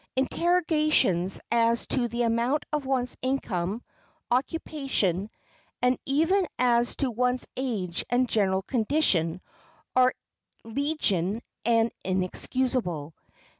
Interrogations as to the amount of one's income, occupation, and even as to one's age and general condition, are legion and inexcusable.